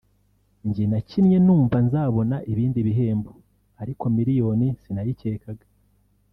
njye nakinnye numva nzabona ibindi bihembo ariko miliyoni sinayikekaga